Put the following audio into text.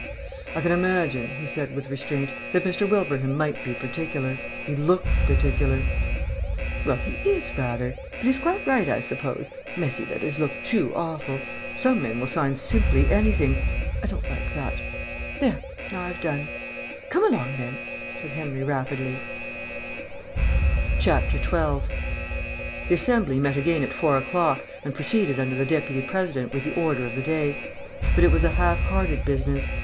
"I can imagine," he said, with restraint, "that Mr. Wilbraham might be particular. He looks particular." "Well, he is, rather. But he's quite right, I suppose. Messy letters look too awful. Some men will sign simply anything. I don't like that.... There, now I've done." "Come along then," said Henry rapidly. 12 The Assembly met again at four o'clock, and proceeded under the Deputy President with the order of the day. But it was a half hearted business.